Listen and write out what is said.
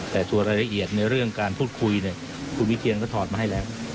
แต่ส่วนรายละเอียดในเรื่องการพูดคุยคุณวิเทียนก็ถอดมาให้แล้ว